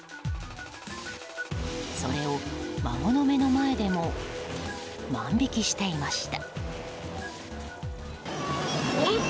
それを孫の目の前でも万引きしていました。